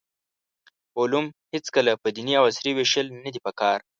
علوم هېڅکله په دیني او عصري ویشل ندي پکار.